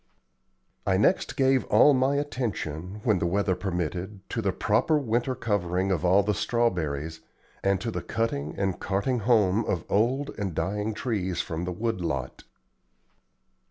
I next gave all my attention, when the weather permitted, to the proper winter covering of all the strawberries, and to the cutting and carting home of old and dying trees from the wood lot.